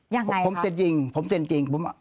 ยังไงครับผมเสร็จจริงผมเสร็จจริง